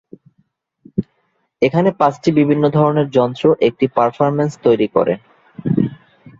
এখানে, পাঁচটি বিভিন্ন ধরনের যন্ত্র একটি পারফরম্যান্স তৈরি করে।